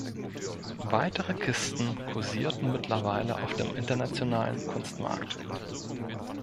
Weitere Kisten kursierten mittlerweile auf dem internationalen Kunstmarkt.